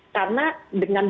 karena dengan berpengalaman